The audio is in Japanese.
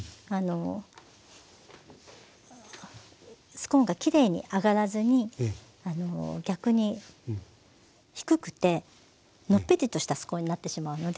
スコーンがきれいに上がらずに逆に低くてのっぺりとしたスコーンになってしまうので。